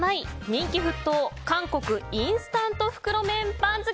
人気沸騰韓国インスタント袋麺番付！